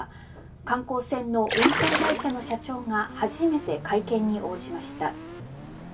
観光船の運航会社の社長が初めて会見に応じました。